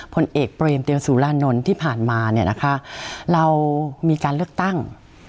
ผลเอกเปรมเตียวสุรานนท์ที่ผ่านมาเนี่ยนะคะเรามีการเลือกตั้ง